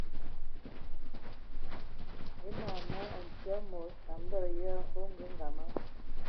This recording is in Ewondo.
E mam mə ti ai e mod a mbəgə yə a ongəngəma.